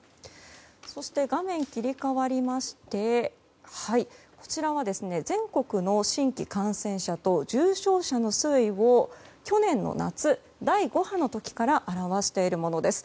そして、画面切り替わりましてこちらは全国の新規感染者と重症者の推移を去年の夏第５波の時から表しているものです。